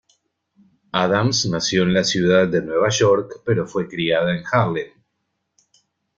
Adams nació en la ciudad de Nueva York pero fue criada en Harlem.